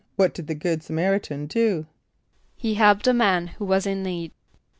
= What did the good S[+a] m[)a]r´[)i] tan do? =He helped a man who was in need.